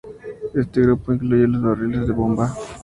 Este grupo incluye los barriles de bomba.